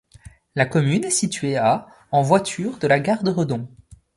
La commune est située à en voiture de la gare de Redon.